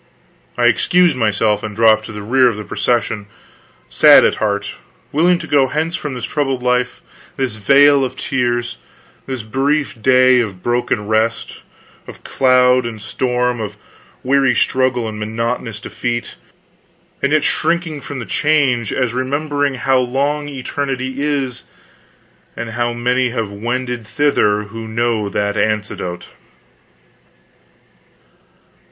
I excused myself and dropped to the rear of the procession, sad at heart, willing to go hence from this troubled life, this vale of tears, this brief day of broken rest, of cloud and storm, of weary struggle and monotonous defeat; and yet shrinking from the change, as remembering how long eternity is, and how many have wended thither who know that anecdote.